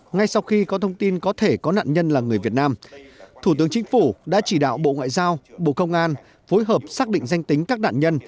ngay sau khi có thông tin có thể có nạn nhân là người việt nam thủ tướng chính phủ đã chỉ đạo bộ ngoại giao bộ công an phối hợp xác định danh tính các nạn nhân